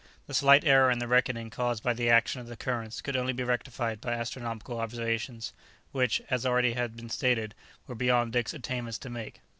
The slight error in the reckoning caused by the action of the currents could only be rectified by astronomical observations, which, as already has been stated, were beyond Dick's attainments to make.